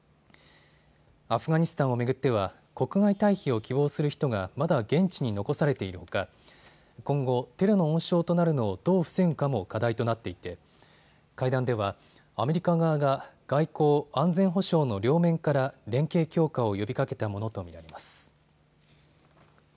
アフガニスタンを巡っては国外退避を希望する人がまだ現地に残されているほか今後、テロの温床となるのをどう防ぐかも課題となっていて、会談ではアメリカ側が外交・安全保障の両面から連携強化を呼びかけたものと見られます。